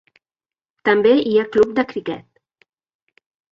També hi ha club de criquet.